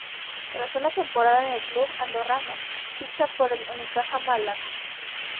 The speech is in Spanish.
Tras una temporada en el club andorrano ficha por el Unicaja Málaga.